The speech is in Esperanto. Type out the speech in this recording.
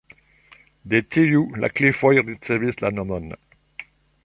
De tiu la klifoj ricevis la nomon.